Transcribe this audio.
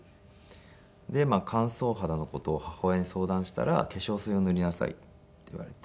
で乾燥肌の事を母親に相談したら「化粧水を塗りなさい」って言われて。